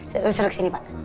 seru seru kesini pak